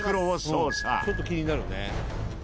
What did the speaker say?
ちょっと気になるね。